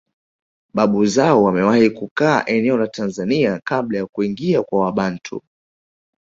Babu zao wamewahi kukaa eneo la Tanzania kabla ya kuingia kwa Wabantu